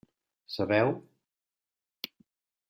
Sabeu?